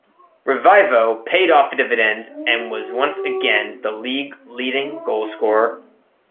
Revivo paid off dividends and was once again the league leading goal scorer.